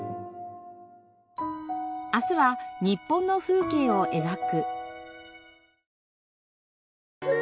明日は日本の風景を描く。